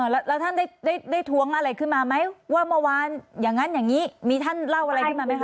แล้วท่านได้ท้วงอะไรขึ้นมาไหมว่าเมื่อวานอย่างนั้นอย่างนี้มีท่านเล่าอะไรขึ้นมาไหมคะ